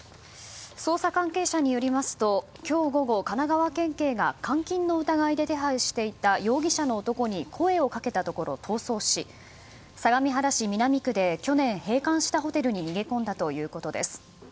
捜査関係者によりますと今日午後、神奈川県警が監禁の疑いで手配していた容疑者の男に声をかけたところ、逃走し相模原市南区で去年閉館したホテルに逃げ込んだということです。